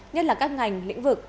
nhất là các ngành lĩnh vực